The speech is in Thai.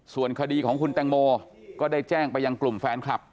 ส่วนคดีของคุณแตงโมก็ได้แจ้งไปยังกลุ่มแฟนคลับ